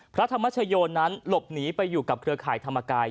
พระธรรมชโยนั้นหลบหนีไปอยู่กับเครือข่ายธรรมกาย